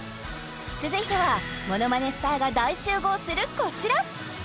続いてはものまねスターが大集合するこちら！